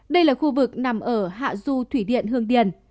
đây là khu vực nằm ở hạ du thủy điện hương điền